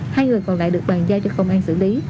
hai người còn lại được bàn giao cho công an xử lý